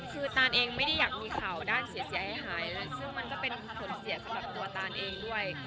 คือตานเองไม่ได้อยากมีข่าวด้านเสียหายซึ่งมันก็เป็นผลเสียสำหรับตัวตานเองด้วย